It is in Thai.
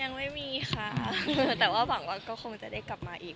ยังไม่มีค่ะแต่ว่าหวังว่าก็คงจะได้กลับมาอีก